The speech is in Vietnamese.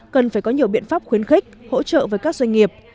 cần phải có nhiều biện pháp khuyến khích hỗ trợ với các doanh nghiệp